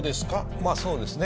まあそうですね。